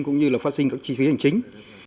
cũng như là phát sinh các chi phí hành chính